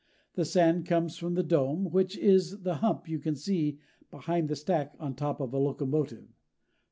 The sand comes from the dome, which is the hump you can see behind the stack on top of a locomotive.